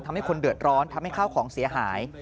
ทำให้คนเดือดร้อนทำให้ข้าวของเสียหาย